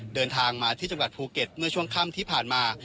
เดินทางมาที่จังหวัดภูเก็ตเมื่อช่วงค่ำที่ผ่านมา